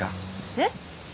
えっ？